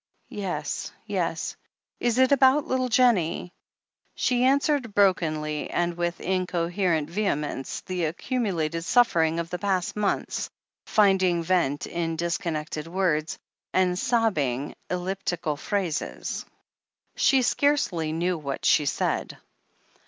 "Yes — ^yes. Is it about little Jennie?" She answered brokenly and with incoherent ve hemence, the accumulated suffering of the past months finding vent in disconnected words, and sobbing, ellipti cal phrases. She scarcely knew what she said.